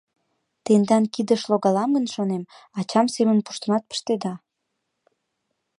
Тендан кидыш логалам гын, шонем, ачам семын пуштынат пыштеда.